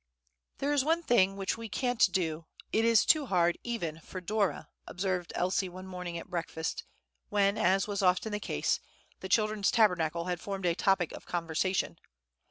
"THERE is one thing which we can't do, it is too hard for even Dora," observed Elsie one morning at breakfast, when, as was often the case, the Children's Tabernacle had formed a topic of conversation.